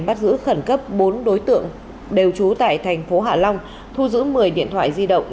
bắt giữ khẩn cấp bốn đối tượng đều trú tại thành phố hạ long thu giữ một mươi điện thoại di động